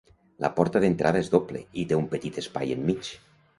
La porta d'entrada és doble i té un petit espai enmig.